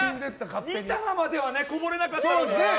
２玉まではこぼれなかったのに。